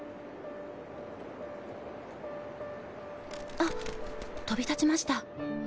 あっ飛び立ちました。